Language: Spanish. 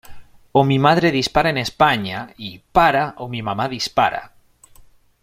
O mi madre dispara en España, y ¡Para o mi mamá dispara!